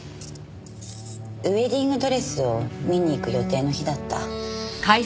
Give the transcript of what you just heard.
ウエディングドレスを見に行く予定の日だった。